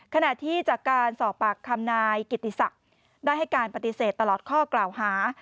ขณะที่จากการสอบปากคำนายกิติศักดิ์ได้ให้การปฏิเสธตลอดข้อกล่าวหา